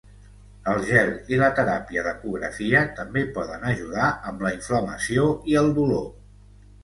El gel i la teràpia d'ecografia també poden ajudar amb la inflamació i el dolor.